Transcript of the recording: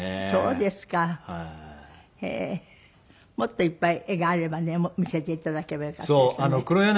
もっといっぱい絵があればね見せて頂けばよかったんですけどね。